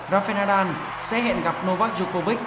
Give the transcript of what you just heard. rafa nadal sẽ hẹn gặp novak djokovic